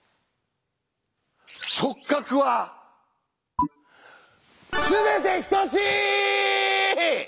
「直角は全て等しい」！